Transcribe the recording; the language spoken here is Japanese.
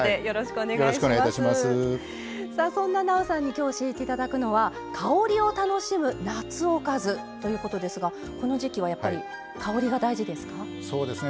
そんな、なおさんにきょう教えていただくのは「香りを楽しむ夏おかず」ということですがこの時季はやっぱり香りが大事ですか？